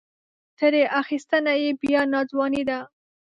ترې اخیستنه یې بیا ناځواني ده.